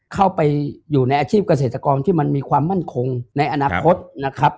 เข้าไปอยู่ในอาชีพเกษตรกรที่มันมีความมั่นคงในอนาคตนะครับ